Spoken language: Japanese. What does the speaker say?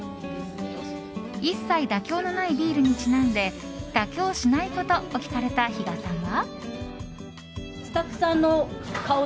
一切妥協のないビールにちなんで妥協しないことを聞かれた比嘉さんは。